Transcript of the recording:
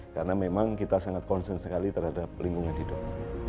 karena memang kita sangat konsen sekali terhadap lingkungan hidup